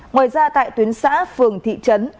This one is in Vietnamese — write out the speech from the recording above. ngoài ra tại tuyến xã phường thị trấn